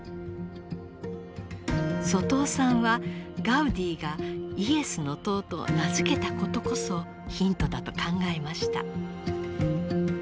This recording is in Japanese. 外尾さんはガウディがイエスの塔と名付けたことこそヒントだと考えました。